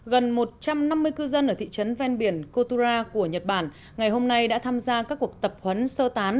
gần một trăm năm mươi cư dân ở thị trấn ven biển kotura của nhật bản ngày hôm nay đã tham gia các cuộc tập huấn sơ tán